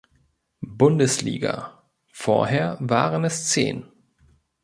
Bundesliga, vorher waren es zehn.